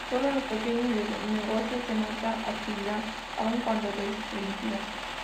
Solo en los pequeños negocios se nota actividad, aun cuando restringida.